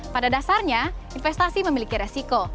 pada dasarnya investasi memiliki resiko